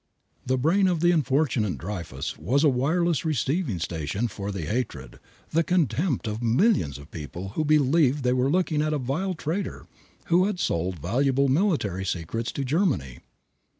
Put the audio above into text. The brain of the unfortunate Dreyfus was a wireless receiving station for the hatred, the contempt of millions of people who believed they were looking at a vile traitor who had sold valuable military secrets to Germany.